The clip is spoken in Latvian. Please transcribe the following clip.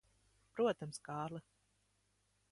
Protams, Kārli.